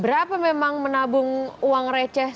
berapa memang menabung uang reaksi berapa memang menabung uang reaksi